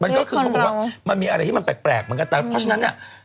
มันก็คือเขาบอกว่ามันมีอะไรที่มันแปลกเหมือนกันแต่เพราะฉะนั้นเนี่ย